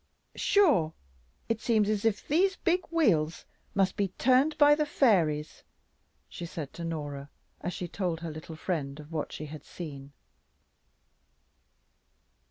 "Sure, it seems as if these big wheels must be turned by the fairies," she said to Norah, as she told her little friend of what she had seen.